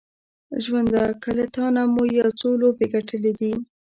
ژونده که له تانه مو یو څو لوبې ګټلې دي